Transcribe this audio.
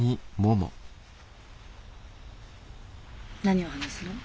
何を話すの？